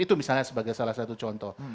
itu misalnya sebagai salah satu contoh